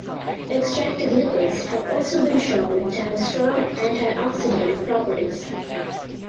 Extracted lipids have also been shown to have strong antioxidative properties.